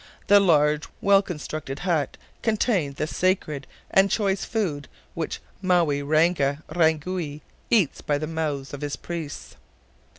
The large, well constructed hut, contained the sacred and choice food which Maoui Ranga Rangui eats by the mouths of his priests.